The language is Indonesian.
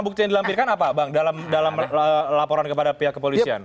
kenapa bang dalam laporan kepada pihak kepolisian